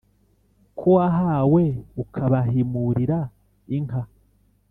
ko wahawe ukabahimurira inka.